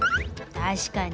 確かに。